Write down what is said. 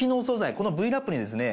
このＶ−Ｌａｐにですね